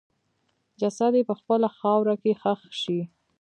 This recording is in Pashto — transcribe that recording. جسد یې په خپله خاوره کې ښخ شي.